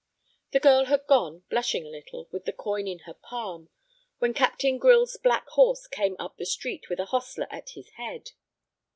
The girl had gone, blushing a little, with the coin in her palm, when Captain Grylls's black horse came up the street with a hostler at his head.